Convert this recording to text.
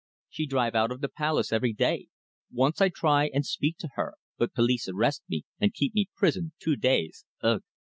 She drive out of the palace every day. Once I try and speak to her, but police arrest me and keep me prison two days ugh!